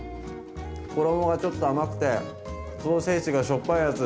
衣がちょっと甘くてソーセージがしょっぱいやつ。